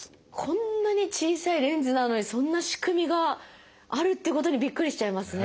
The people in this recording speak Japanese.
こんなに小さいレンズなのにそんな仕組みがあるっていうことにびっくりしちゃいますね。